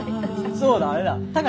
そうだあれだ。